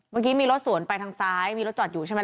เมื่อกี้มีรถสวนไปทางซ้ายมีรถจอดอยู่ใช่ไหม